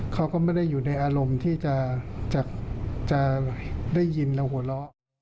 เขาก็ไม่ได้อยู่ในอารมณ์ที่จะได้ยินและหัวเราะ